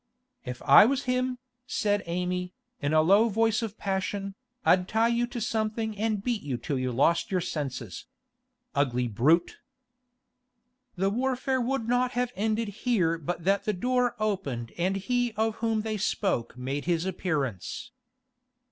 'If I was him,' said Amy, in a low voice of passion, 'I'd tie you to something and beat you till you lost your senses. Ugly brute!' The warfare would not have ended here but that the door opened and he of whom they spoke made his appearance.